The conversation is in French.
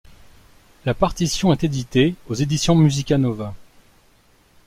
La partition est éditée aux éditions Musica-nova.